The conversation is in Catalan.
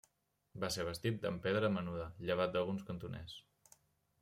Va ser bastit amb pedra menuda, llevat d'alguns cantoners.